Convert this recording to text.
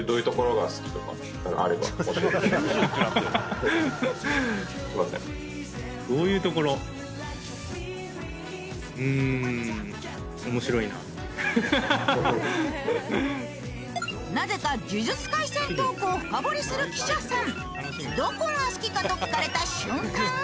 はははなぜか「呪術廻戦」トークを深掘りする記者さんどこが好きかと聞かれた瞬間